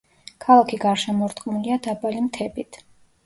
ქალაქი გარშემორტყმულია დაბალი მთებით.